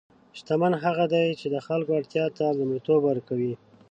شتمن هغه دی چې د خلکو اړتیا ته لومړیتوب ورکوي.